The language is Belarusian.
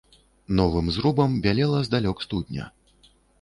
Новым зрубам бялела здалёк студня.